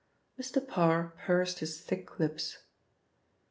Mr. Parr pursed his thick lips.